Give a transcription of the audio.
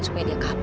supaya dia kapal